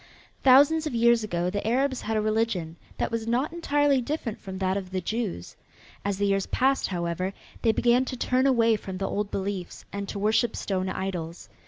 Thousands of years ago the Arabs had a religion that was not entirely different from that of the Jews. As the years passed, however, they began to turn away from the old beliefs and to worship stone idols.